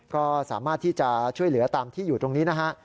ก็สามารถที่จะช่วยเหลือตามที่อยู่ตรงนี้นะฮะ